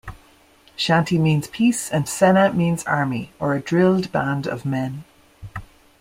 Shanti means peace and Sena means army, or a drilled band of men.